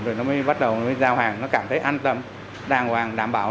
rồi nó mới bắt đầu nó mới giao hàng nó cảm thấy an tâm đàng hoàng đảm bảo